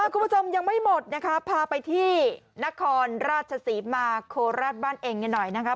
คุณผู้ชมยังไม่หมดนะคะพาไปที่นครราชศรีมาโคราชบ้านเองกันหน่อยนะคะ